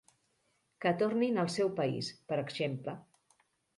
Que tornin al seu país, per exemple.